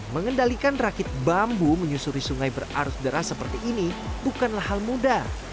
mengendalikan rakit bambu menyusuri sungai berarus deras seperti ini bukanlah hal mudah